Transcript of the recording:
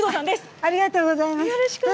ありがとうございます。